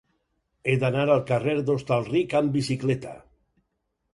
He d'anar al carrer d'Hostalric amb bicicleta.